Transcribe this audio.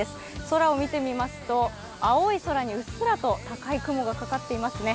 空を見てみますと青い空にうっすらと高い雲がかかっていますね。